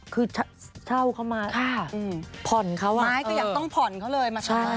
คือเช่าเขามาผ่อนเขาไม้ก็ยังต้องผ่อนเขาเลยมาใช้